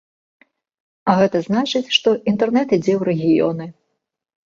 А гэта значыць, што інтэрнэт ідзе ў рэгіёны.